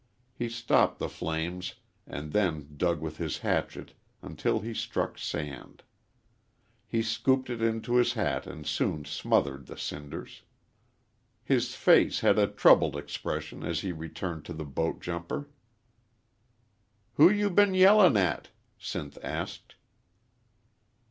He stopped the flames and then dug with his hatchet until he struck sand. He scooped it into his hat and soon smothered the cinders. His face had a troubled expression as he returned to the boat jumper. "Who you been yellin' at?" Sinth asked.